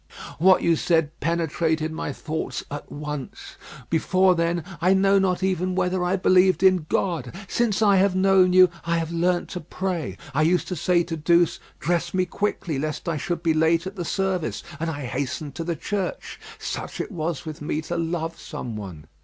What you said penetrated my thoughts at once. Before then, I know not even whether I believed in God. Since I have known you, I have learnt to pray. I used to say to Douce, dress me quickly, lest I should be late at the service; and I hastened to the church. Such it was with me to love some one.